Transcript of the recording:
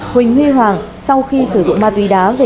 huỳnh huy hoàng sau khi sử dụng ma túy đá về nhà tại xã bầu trâm